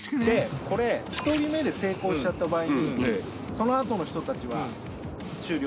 これ１人目で成功しちゃった場合にその後の人たちは終了。